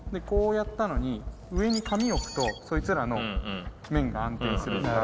こうやったのに上に紙を置くとそいつらの面が安定する。